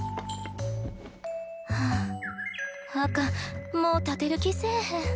はああかんもう立てる気せえへん。